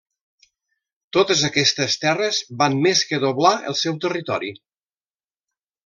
Totes aquestes terres van més que va doblar el seu territori.